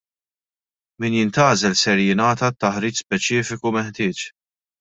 Min jintgħażel ser jingħata t-taħriġ speċifiku meħtieġ.